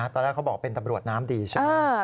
ตอนแรกเขาบอกเป็นตำรวจน้ำดีใช่ไหม